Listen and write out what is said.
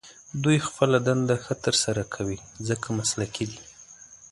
دوی خپله دنده ښه تر سره کوي، ځکه مسلکي دي.